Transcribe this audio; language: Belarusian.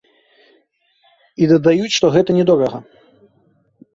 І дадаюць, што гэта нядорага.